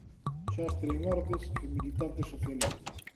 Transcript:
Xastre en Ordes e militante socialista.